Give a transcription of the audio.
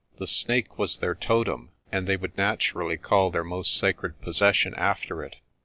The snake was their totem, and they would naturally call their most sacred possession after it.